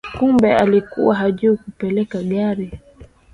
Kumbe alikuwa hajui kupeleka gari